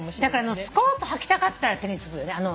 だからスコートはきたかったらテニス部よね。